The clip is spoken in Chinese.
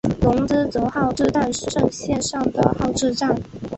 泷之泽号志站石胜线上的号志站。